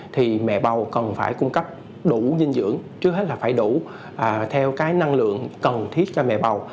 thì mẹ bầu cần phải cung cấp đủ dinh dưỡng trước hết là phải đủ theo cái năng lượng cần thiết cho mẹ bầu